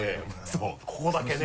そうここだけね。